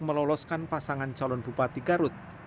meloloskan pasangan calon bupati garut